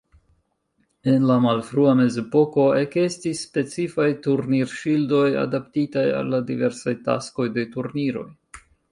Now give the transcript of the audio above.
En la malfrua mezepoko ekestis specifaj turnir-ŝildoj, adaptitaj al la diversaj taskoj de turniroj.